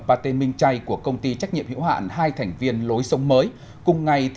pate minh chay của công ty trách nhiệm hiệu hạn hai thành viên lối sông mới cùng ngày